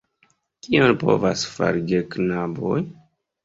Kion povas fari geknaboj?